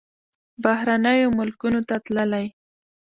بهرنیو ملکونو ته تللی.